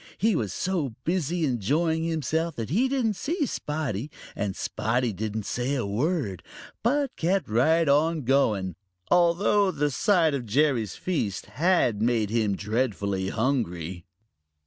He was so busy enjoying himself that he didn't see Spotty, and Spotty didn't say a word, but kept right on going, although the sight of Jerry's feast had made him dreadfully hungry.